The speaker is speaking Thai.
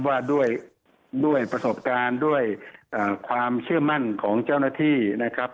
ว่าด้วยประสบการณ์ด้วยความเชื่อมั่นของเจ้าหน้าที่นะครับ